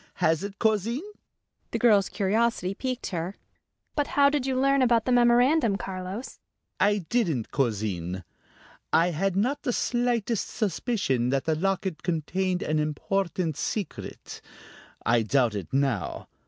Has it, cousin?" The girl's curiosity piqued her. "But how did you learn about the memorandum, Carlos?" "I didn't, cousin. I had not the slightest suspicion that the locket contained an important secret; I doubt it now.